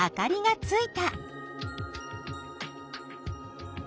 ついた。